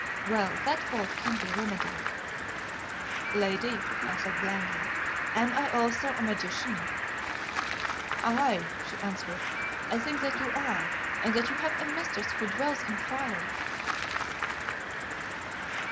Well, that fault can be remedied." "Lady," I said blandly, "am I also a magician?" "Aye," she answered, "I think that you are, and that you have a mistress who dwells in fire."